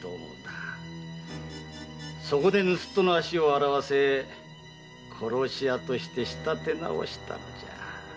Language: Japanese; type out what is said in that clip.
そこで盗っ人の足を洗わせ殺し屋に仕立て直したのじゃ。